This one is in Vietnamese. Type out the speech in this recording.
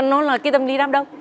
nó là cái tâm lý đám đông